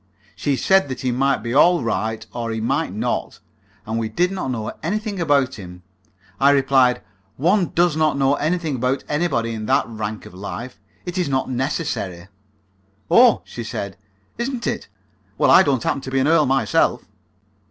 She said that he might be all right, or he might not, and we did not know anything about him. I replied: "One does not know anything about anybody in that rank of life. It is not necessary." "Oh!" she said. "Isn't it? Well, I don't happen to be an earl myself."